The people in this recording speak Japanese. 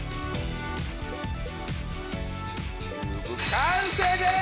完成でーす！